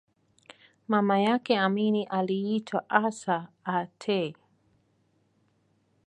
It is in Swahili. Mama yake Amin aliitwa Assa Aatte